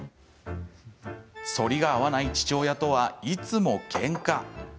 そりが合わない父親とはいつもけんか。